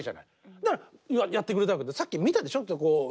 そしたらやってくれたけどさっき見たでしょ？